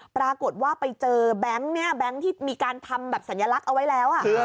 ปรากฏว่าไปเจอแบงค์เนี่ยแบงค์ที่มีการทำแบบสัญลักษณ์เอาไว้แล้ว